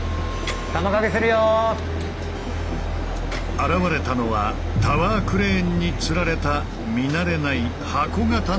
現れたのはタワークレーンにつられた見慣れない箱形の装置。